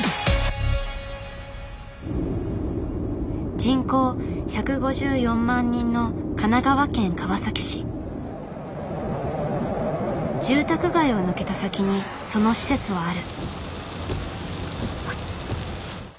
人口１５４万人の住宅街を抜けた先にその施設はある。